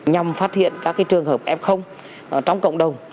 nhằm phát hiện các trường hợp f trong cộng đồng